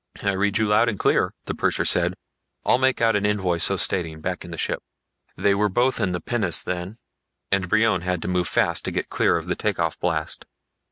"I read you loud and clear," the purser said. "I'll make out an invoice so stating, back in the ship." They were both in the pinnace then, and Brion had to move fast to get clear of the takeoff blast.